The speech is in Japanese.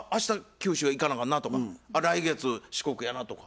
九州へ行かなあかんな」とか「来月四国やな」とか。